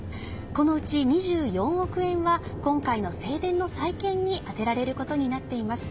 このうち２４億円は今回の正殿の再建に充てられることになっています。